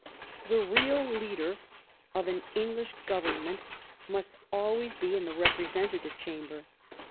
The real leader of an English Government must always be in the Representative Chamber.